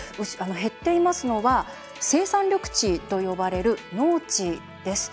減っていますのは生産緑地と呼ばれる農地です。